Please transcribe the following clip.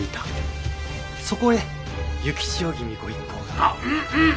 そこへ幸千代君ご一行が。